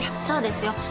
そうですよ。